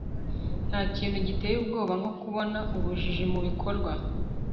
nta kintu giteye ubwoba nko kubona ubujiji mu bikorwa